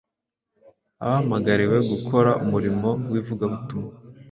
Abahamagariwe gukora umurimo w’ivugabutumwa,